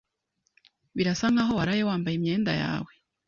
Birasa nkaho waraye wambaye imyenda yawe.